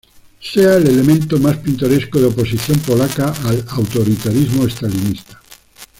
Sea el elemento más pintoresco de oposición polaca al autoritarismo estalinista.